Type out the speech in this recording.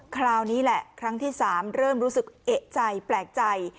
คราวนี้แหละครั้งที่๓เริ่มรู้สึกเอกใจแปลกใจ